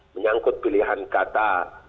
menyangkut pilihan kata